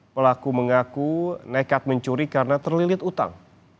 pelaku mengaku nekat mencuri karena terlilit utang